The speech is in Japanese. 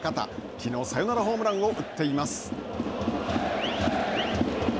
きのう、サヨナラホームランを打っています。